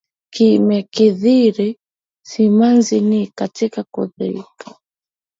Nimekithiri simanzi, ni katika kuudhika